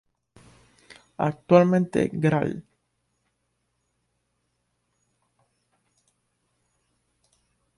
Actualmente Gral.